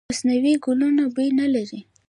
مصنوعي ګلونه بوی نه لري.